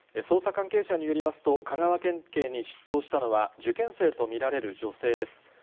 捜査関係者によりますと、香川県警に出頭したのは、受験生と見られる女性です。